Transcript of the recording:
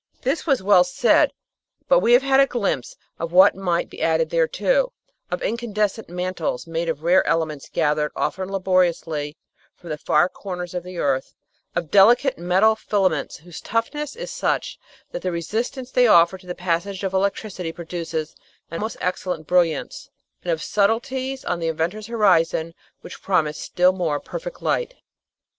This was well said, but we have had a glimpse of what might be added thereto of incandescent mantles made of rare elements gathered, often laboriously, from the far corners of the earth; of delicate metal filaments whose toughness is such that the resist ance they offer to the passage of electricity produces a most excel lent brilliance; and of subtleties on the inventor's horizon which promise still more perfect light.